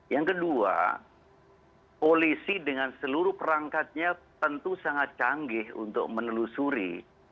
yang kedua polisi dengan seluruh perangkatnya tentu sangat canggih untuk menelusuri